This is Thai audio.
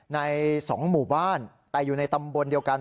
ใน๒หมู่บ้านแต่อยู่ในตำบลเดียวกัน